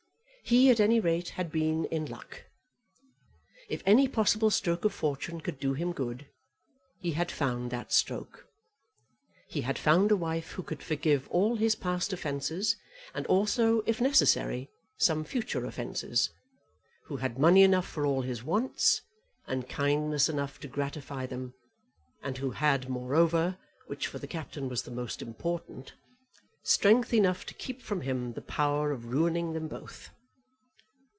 He, at any rate, had been in luck. If any possible stroke of fortune could do him good, he had found that stroke. He had found a wife who could forgive all his past offences, and also, if necessary, some future offences; who had money enough for all his wants, and kindness enough to gratify them, and who had, moreover, which for the Captain was the most important, strength enough to keep from him the power of ruining them both.